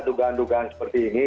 dugaan dugaan seperti ini